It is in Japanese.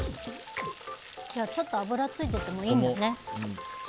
ちょっと油がついててもいいんだね。